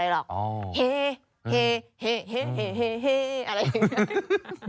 เฮอะไรอย่างนี้